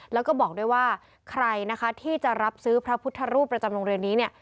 แล้วก็บอกด้วยว่าใครนะคะที่จะรับซื้อพระพุทธรูปประจำโรงเรียนนี้เนี่ย